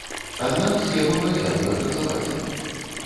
Аднак схема працягвае працаваць.